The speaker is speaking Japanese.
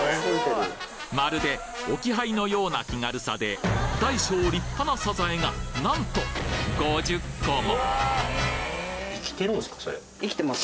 まるで置き配のような気軽さで大小立派なサザエがなんと５０個も！